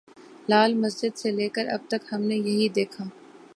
لال مسجد سے لے کر اب تک ہم نے یہی دیکھا۔